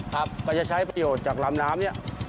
ก็จะใช้ประโยชน์จากลำน้ำเนี่ย